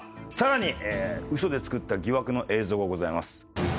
さらに嘘で作った疑惑の映像がございます。